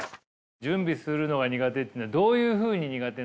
準備するのが苦手っていうのはどういうふうに苦手なんですか？